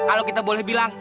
kalau kita boleh bilang